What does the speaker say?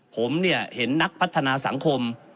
ผมเห็นนักพัฒนาสังคม